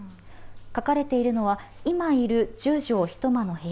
描かれているのは、今いる１０畳１間の部屋。